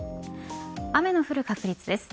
雨の降る確率です。